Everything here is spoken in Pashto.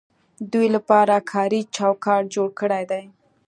دوی لپاره کاري چوکاټ جوړ کړی دی.